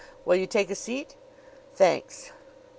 Will you take a seat?" "Thanks."